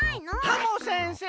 ハモ先生？